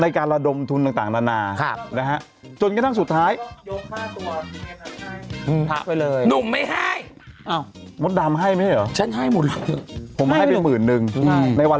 ในการระดมทุนต่างนานา